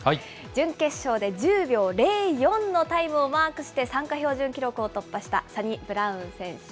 準決勝で１０秒０４のタイムをマークして、参加標準記録を突破したサニブラウン選手。